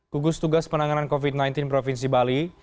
gugus tugas penanganan covid sembilan belas provinsi bali